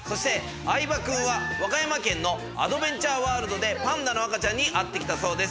相葉くんは和歌山県のアドベンチャーワールドでパンダの赤ちゃんに会ってきたそうです。